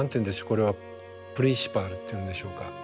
これはプリンシパルというんでしょうか。